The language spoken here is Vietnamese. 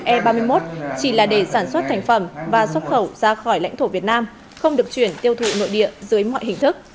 e ba mươi một chỉ là để sản xuất thành phẩm và xuất khẩu ra khỏi lãnh thổ việt nam không được chuyển tiêu thụ nội địa dưới mọi hình thức